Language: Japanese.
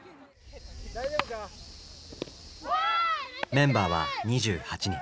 メンバーは２８人。